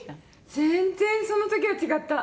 全然その時は違った。